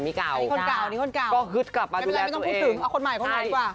นี่คนเก่านี่คนเก่าไม่เป็นไรไม่ต้องพูดถึงเอาคนใหม่คนหนึ่งดีกว่า